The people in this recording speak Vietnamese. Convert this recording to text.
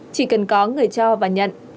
chỉ cần có người cho và nhận